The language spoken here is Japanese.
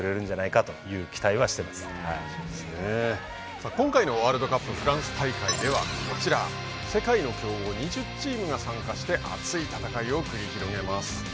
さあ今回のワールドカップフランス大会ではこちら世界の強豪２０チームが参加して熱い戦いを繰り広げます。